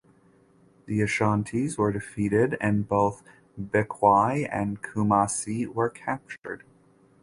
The Ashantis were defeated and both Bekwai and Kumasi were captured.